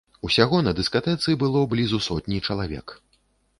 Усяго на дыскатэцы было блізу сотні чалавек.